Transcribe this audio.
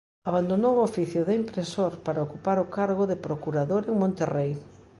Abandonou o oficio de impresor para ocupar o cargo de procurador en Monterrei.